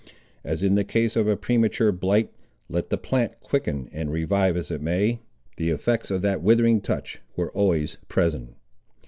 As in the case of a premature blight, let the plant quicken and revive as it may, the effects of that withering touch were always present.